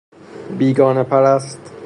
بیگانه پرست